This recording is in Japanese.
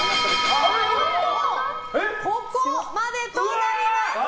ここまでとなります！